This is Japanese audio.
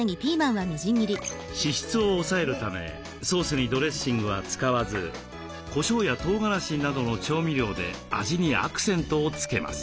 脂質を抑えるためソースにドレッシングは使わずこしょうやとうがらしなどの調味料で味にアクセントをつけます。